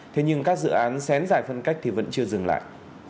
thế nhưng các dự án xén giải phân cách thì vẫn chưa dừng lại